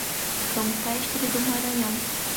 Campestre do Maranhão